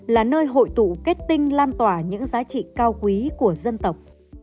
là nơi hội tụ kết tinh lan tỏa những giá trị cao quý của dân tộc